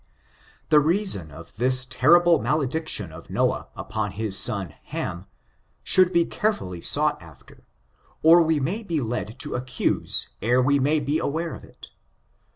The reason of this terrible malediction of Noah upon his son Ham should be carefully sought after, or we may be led to accuse ere we may be aware of it.